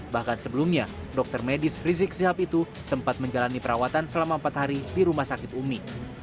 bahkan sebelumnya dokter medis rizik sihab itu sempat menjalani perawatan selama empat hari di rumah sakit umi